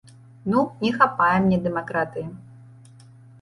Ну, не хапае мне дэмакратыі.